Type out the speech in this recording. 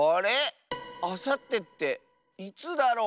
あさってっていつだろ？